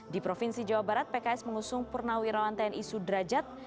di provinsi jawa barat pks mengusung purnawirawan tni sudrajat